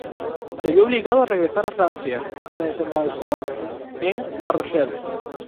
Se vio obligado a regresar a Francia, donde desembarcó en La Rochelle.